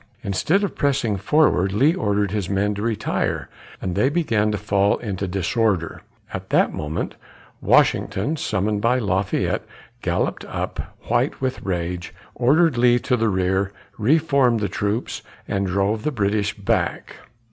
Instead of pressing forward, Lee ordered his men to retire, and they began to fall into disorder. At that moment, Washington, summoned by Lafayette, galloped up, white with rage, ordered Lee to the rear, re formed the troops, and drove the British back.